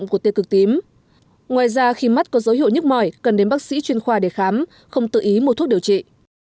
cần đến bác sĩ chuyên khoa để khám không tự ý mua thuốc điều trị